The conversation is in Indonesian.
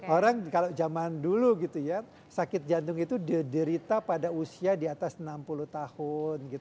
orang kalau zaman dulu gitu ya sakit jantung itu diderita pada usia di atas enam puluh tahun